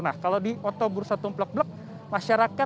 nah kalau di oto bursa tumplek blek